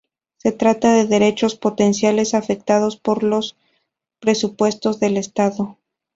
Se trata de derechos potenciales, afectados por los presupuestos del Estado.